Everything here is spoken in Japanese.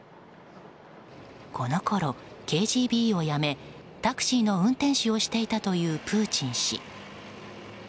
このころ、ＫＧＢをやめタクシーの運転手をしていたというプーチン氏。